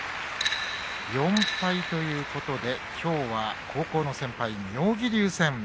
４敗ということで、きょうは高校の先輩、妙義龍戦。